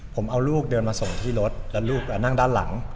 ผมเอาลูกเดินมาส่งที่รถแล้วลูกนั่งด้านหลัง